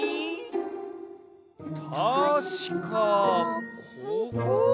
たしかここ？